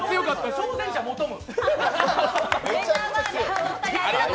挑戦者求む。